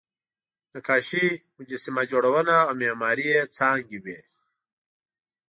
نقاشي، مجسمه جوړونه او معماري یې څانګې وې.